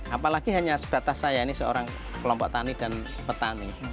apalagi hanya sebatas saya ini seorang kelompok tani dan petani